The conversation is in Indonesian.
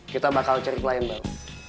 kita bakal cerit lain baru